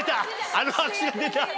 あの握手が出た！